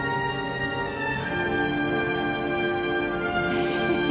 フフフ。